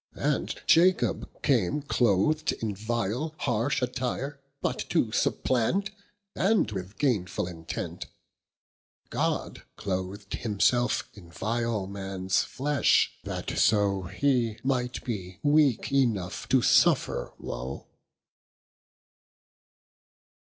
And Jacob came cloth'd in vile harsh attire But to supplant, and with gainfull intent: God cloth'd himselfe in vile mans flesh, that so Hee might be weake enought to suffer woe.